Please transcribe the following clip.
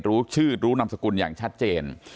รู้ชื่อรู้นามสกุลอย่างชัดเจน